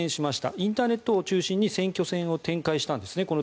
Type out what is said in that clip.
インターネットを中心に選挙戦を展開したんですね。